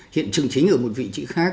hiện trường chính ở một vị trí khác